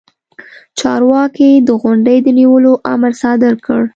چارواکي د غونډې د نیولو امر صادر کړ.